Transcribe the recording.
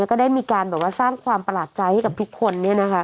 ก็ได้มีการสร้างความประหลาดใจให้กับทุกคน